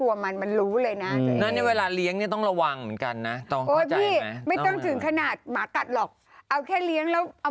แว่นรอเลยมาเลยค่ะเชิญ